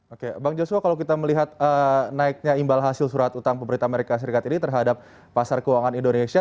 oke bang joshua kalau kita melihat naiknya imbal hasil surat utang pemerintah amerika serikat ini terhadap pasar keuangan indonesia